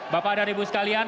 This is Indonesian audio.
bapak dan ibu sekalian